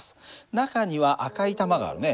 中には赤い玉があるね。